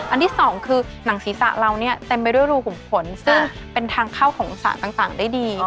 ที่สองคือหนังศีรษะเราเนี่ยเต็มไปด้วยรูขุมขนซึ่งเป็นทางเข้าของสารต่างได้ดี